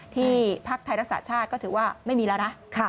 ภักดิ์ไทยรักษาชาติก็ถือว่าไม่มีแล้วนะ